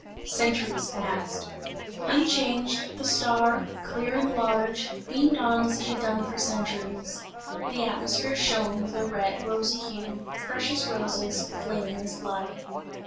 Centuries passed. Unchanged, the star, clear and large, beamed on as it had done for centuries. The atmosphere shone with a red rosy hue, fresh as roses, flaming as blood.